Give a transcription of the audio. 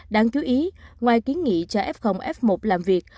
đáng chú ý ngoài kiến nghị cho f f một làm việc